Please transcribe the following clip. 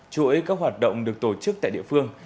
chuỗi các hoạt động được tổ chức tại địa phương